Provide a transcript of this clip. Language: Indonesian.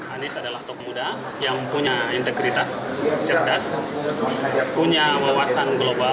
anies adalah tokoh muda yang punya integritas cerdas punya wawasan global